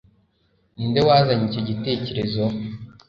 Ninde wazanye icyo gitekerezo